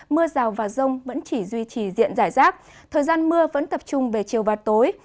mưa rào và rông vẫn chỉ duy trì diện giải rác thời gian mưa vẫn tập trung về chiều và tối